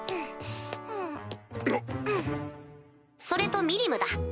それとミリムだ。